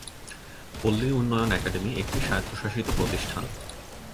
পল্লী উন্নয়ন একাডেমি একটি স্বায়ত্তশাসিত প্রতিষ্ঠান।